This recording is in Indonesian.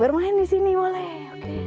bermain di sini boleh